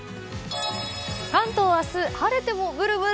関東は明日、晴れてもブルブル。